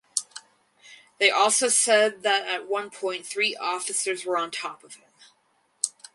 They also said that at one point three officers were on top of him.